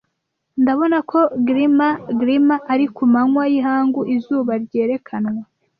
Ndabona ko glimmer glimmer ari ku manywa y'ihangu izuba ryerekanwa,